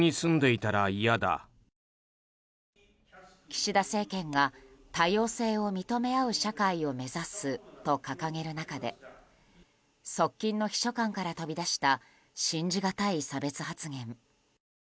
岸田政権が多様性を認め合う社会を目指すと掲げる中で側近の秘書官から飛び出した信じがたい差別発言。